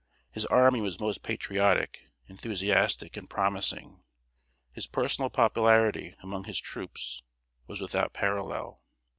His army was most patriotic, enthusiastic, and promising. His personal popularity among his troops was without parallel.